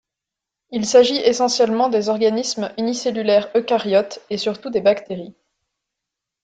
Il s'agit essentiellement des organismes unicellulaires eucaryotes et surtout des bactéries.